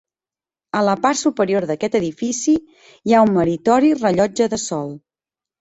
A la part superior d'aquest edifici hi ha un meritori rellotge de sol.